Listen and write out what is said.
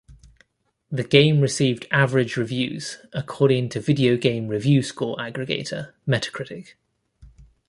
The game received "average" reviews, according to video game review score aggregator Metacritic.